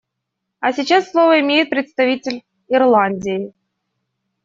А сейчас слово имеет представитель Ирландии.